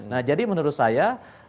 nah jadi menurut saya